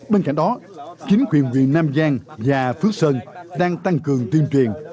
bên cạnh đó chính quyền huyện nam giang và phước sơn đang tăng cường tuyên truyền